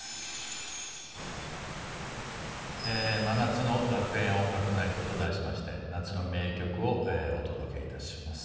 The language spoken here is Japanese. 真夏の「楽園音楽ナイト！」と題しまして夏の名曲をお届けいたします。